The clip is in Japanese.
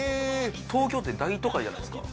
東京って大都会じゃないですか